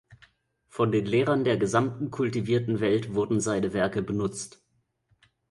Von den Lehrern der gesamten kultivierten Welt wurden seine Werke benutzt.